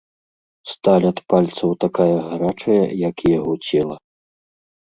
Сталь ад пальцаў такая гарачая, як і яго цела.